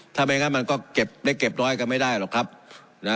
ถ้าไม่งั้นมันก็เก็บได้เก็บร้อยกันไม่ได้หรอกครับนะ